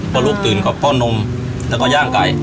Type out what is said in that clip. เพราะลูกทีตื่นก็เพาะนมแล้วก็ย่างไก่